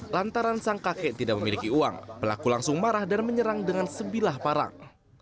lantaran sang kakek tidak memiliki uang pelaku langsung marah dan menyerang dengan sebilah parang